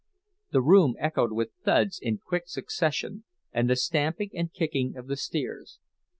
The room echoed with the thuds in quick succession, and the stamping and kicking of the steers.